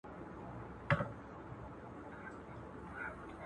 سبزیحات د مور له خوا جمع کيږي؟!